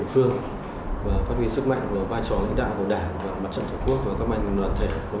phát huy sức mạnh của địa phương và phát huy sức mạnh của vai trò lĩnh đạo của đảng